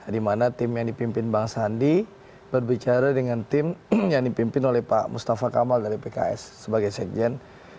dimana tim yang dipimpin bang sandi berbicara dengan tim yang dipimpin oleh pak mustafa kamal dari pks sebagai sekjen